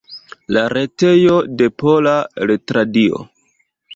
La retejo de Pola Retradio.